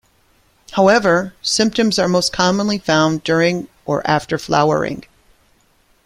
However, symptoms are most commonly found during or after flowering.